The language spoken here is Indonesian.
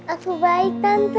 aku baik tante